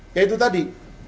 kayak itu tadi